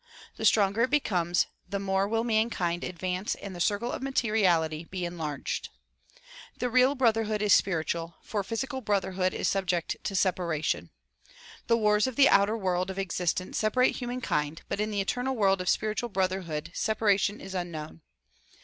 The stronger it becomes, the more will mankind advance and the circle of materi ality be enlarged. The real brotherhood is spiritual, for physical brotherhood is subject to separation. The wars of the outer world of existence separate humankind but in the eternal world of spiritual broth hood separation is unknown.